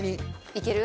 いける？